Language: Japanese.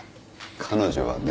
彼女はね